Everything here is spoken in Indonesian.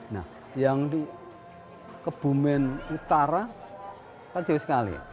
nah yang di kebumen utara kan jauh sekali